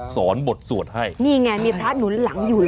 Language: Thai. สอนบทสวดให้นี่ไงมีพระหนุนหลังอยู่